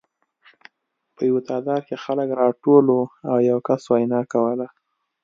په یوه تالار کې خلک راټول وو او یو کس وینا کوله